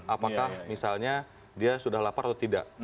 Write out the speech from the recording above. apakah misalnya dia sudah lapar atau tidak